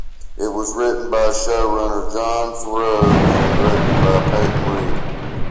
It was written by showrunner Jon Favreau and directed by Peyton Reed.